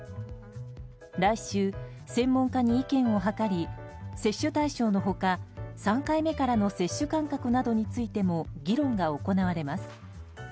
来週、専門家に意見を諮り接種対象の他、３回目からの接種間隔などについても議論が行われます。